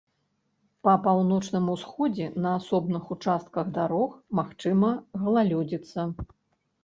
Па паўночным усходзе на асобных участках дарог магчыма галалёдзіца.